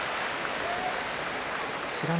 美ノ